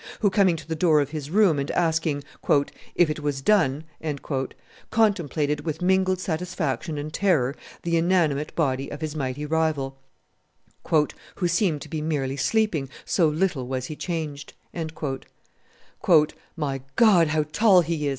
who, coming to the door of his room and asking "if it was done," contemplated with mingled satisfaction and terror the inanimate body of his mighty rival, "who seemed to be merely sleeping, so little was he changed." "My God! how tall he is!"